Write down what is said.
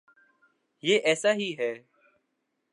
یہ ایسا ہی ہے۔